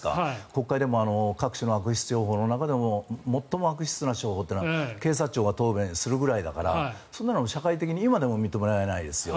国会でも各種の悪質商法の中でも最も悪質な商法というのは警察庁が答弁するくらいだからそんなの社会的に今でも認められないですよ。